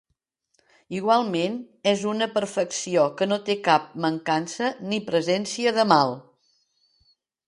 Igualment és una perfecció que no té cap mancança ni presència de mal.